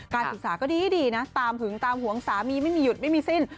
ศึกษาก็ดีนะตามหึงตามหวงสามีไม่มีหยุดไม่มีสิ้น